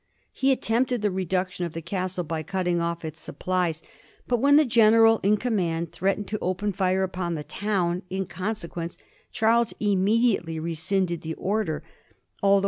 He attempted the reduction of the castle by cutting off its supplies, but when the general in command threatened to open fire upon the town in conse quence, Charles immediately rescinded the order, although 1745.